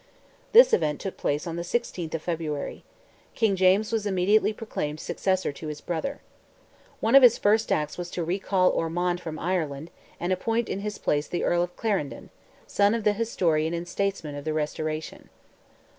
This event took place on the 16th of February. King James was immediately proclaimed successor to his brother. One of his first acts was to recall Ormond from Ireland and to appoint in his place the Earl of Clarendon, son of the historian and statesman of the Restoration.